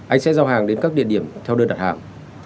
anh sẽ giao hàng đến các địa điểm theo đơn đặt hàng